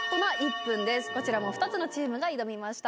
こちらも２つのチームが挑みました。